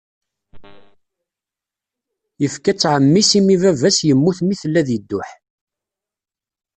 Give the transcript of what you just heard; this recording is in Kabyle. Yefka-tt ɛemmi-s imi bab-as yemmut mi tella di dduḥ.